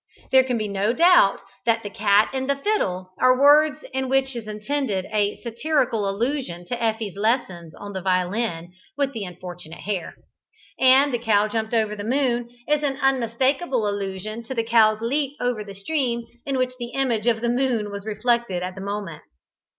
There can be no doubt that "the cat and the fiddle," are words in which is intended a satirical allusion to Effie's lessons on the violin with the unfortunate hare; and "the cow jumped over the moon," is an unmistakeable allusion to the cow's leap over the stream in which the image of the moon was reflected at the moment.